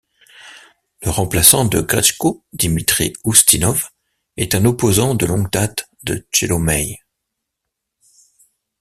Le remplaçant de Gretchko, Dimitri Ustinov, est un opposant de longue date de Tchelomei.